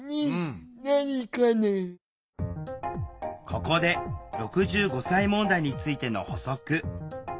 ここで６５歳問題についての補足。